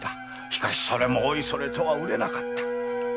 しかしそれもおいそれとは売れなかった。